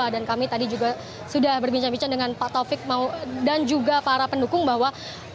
dan kami tadi juga sudah berbincang bincang dengan pak taufik dan juga para pendukung bahwa